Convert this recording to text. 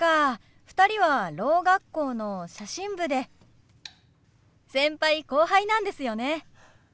２人はろう学校の写真部で先輩後輩なんですよね。